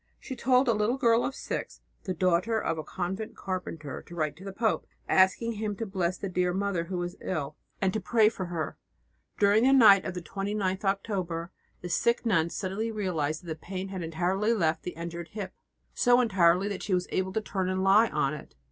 She told a little girl of six, the daughter of the convent carpenter, to write to the pope, asking him to bless the dear Mother who was ill, and to pray for her. During the night of the 29th October the sick nun suddenly realized that the pain had entirely left the injured hip so entirely that she was able to turn and lie on it.